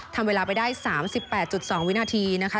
ทำเวลาไปได้๓๘๒วินาทีนะคะ